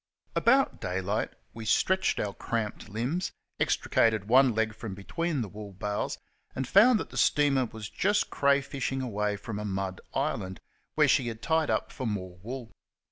About daylight we stretched our cramped limbs, extricated one leg from between the wool bales, and found that the steamer was just crayfishing away from a mud island, where she had tied up for more wool.